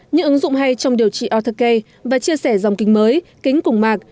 những ứng dụng hay trong điều trị autocay và chia sẻ dòng kinh mới kính cùng mạc